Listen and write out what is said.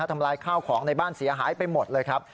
ทำลายข้าวของในบ้านเสียหายไปหมดเลยครับ